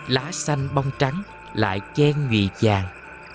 lá xanh bong trắng lại chen vị vàng